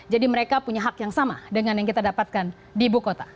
jadi mereka punya hak yang sama dengan yang kita dapatkan di ibu kota